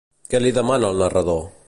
Què li demana el narrador?